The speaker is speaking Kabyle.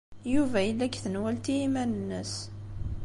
Yuba yella deg tenwalt i yiman-nnes.